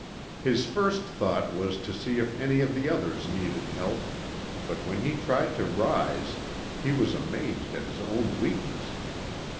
His first thought was to see if any of the others needed help, but when he tried to rise he was amazed at his own weakness.